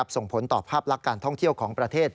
ส่งผลต่อภาพลักษณ์การท่องเที่ยวของประเทศ